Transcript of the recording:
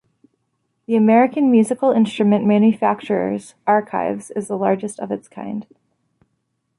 The American musical instrument manufacturers archives is the largest of its kind.